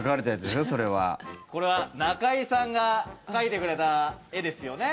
これは中居さんが描いてくれた絵ですよね。